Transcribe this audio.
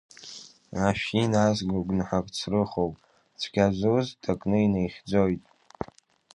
Ашәи назго, гәнаҳа црыхоуп, цәгьазуз ҭакны инаихьӡоит.